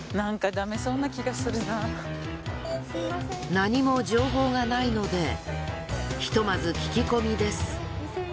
何も情報がないのでひとまず聞き込みです。